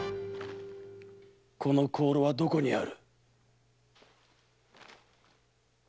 この香炉はどこにある？